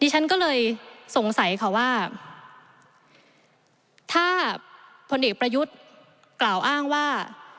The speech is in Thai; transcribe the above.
ฉันก็เลยสงสัยค่ะว่าถ้าพลเอกประยุทธ์กล่าวอ้างว่า